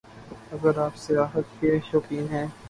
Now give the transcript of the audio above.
اگر آپ سیاحت کے شوقین ہیں